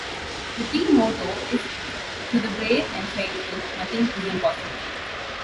The team motto is To the brave and faithful, nothing is impossible.